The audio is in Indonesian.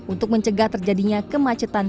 untuk mencegah terjadinya kemacetan